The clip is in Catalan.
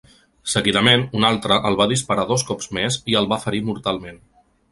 Seguidament un altre el va disparar dos cops més i el va ferir mortalment.